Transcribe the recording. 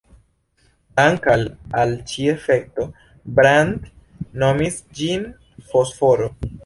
Dank'al al ĉi-efekto, Brand nomis ĝin fosforo.